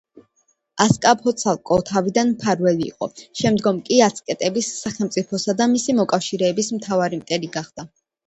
ასკაპოცალკო თავიდან მფარველი იყო, შემდგომ კი აცტეკების სახელმწიფოსა და მისი მოკავშირეების მთავარი მტერი გახდა.